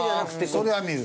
それは見る。